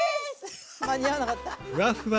間に合わなかった。